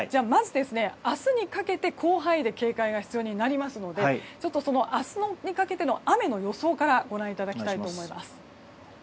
明日にかけて広範囲で警戒が必要になりますので明日にかけての雨の予想からご覧いただきたいと思います。